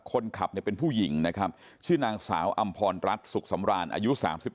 คนขับเนี่ยเป็นผู้หญิงนะครับชื่อนางสาวอำพรรัฐสุขสำราญอายุ๓๓